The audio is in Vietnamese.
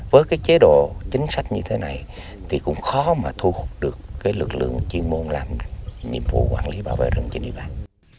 với cái chế độ chính sách như thế này thì cũng khó mà thu hút được cái lực lượng chuyên môn làm nhiệm vụ quản lý bảo vệ rừng trên địa bàn